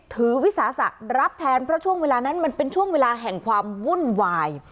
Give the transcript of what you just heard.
วิสาสะรับแทนเพราะช่วงเวลานั้นมันเป็นช่วงเวลาแห่งความวุ่นวาย